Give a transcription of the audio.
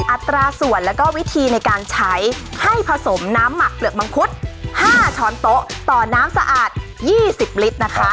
อัตราส่วนแล้วก็วิธีในการใช้ให้ผสมน้ำหมักเปลือกมังคุด๕ช้อนโต๊ะต่อน้ำสะอาด๒๐ลิตรนะคะ